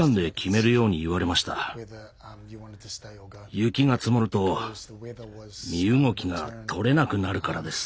雪が積もると身動きがとれなくなるからです。